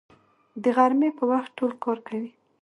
د غرمې په وخت ټول کار کوي